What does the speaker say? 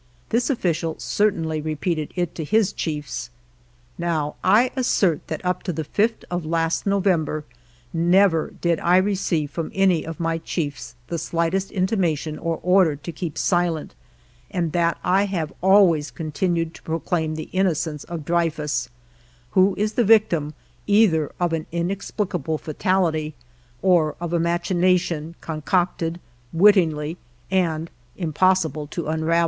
This official certainly repeated it to his chiefs. Now, I assert that up to the 5th of last November, never did I receive from any of my chiefs the slightest intimation or order to keep silent, and that I have always continued to proclaim the innocence of Dreyfus, who is the victim either of an inexplicable fatality, or of a machination concocted wittingly and impossible to unravel.